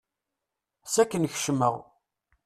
S akken kecmeɣ.